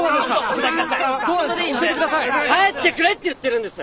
帰ってくれって言ってるんです！